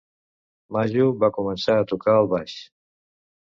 "Maju" va començar a tocar el "baix".